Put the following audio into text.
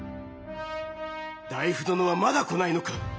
内府殿はまだ来ないのか！